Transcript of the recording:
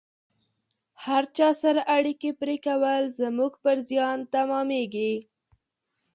هر چا سره اړیکې پرې کول زموږ پر زیان تمامیږي